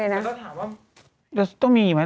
แต่ถ้าถามว่าต้องมีไหม